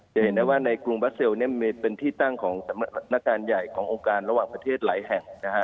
จะเห็นได้ว่าในกรุงบัสเซลเป็นที่ตั้งของสถานการณ์ใหญ่ขององค์การระหว่างประเทศหลายแห่งนะฮะ